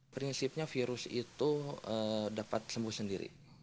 prinsipnya virus itu dapat sembuh sendiri